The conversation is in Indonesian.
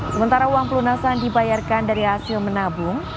sementara uang pelunasan dibayarkan dari hasil menabung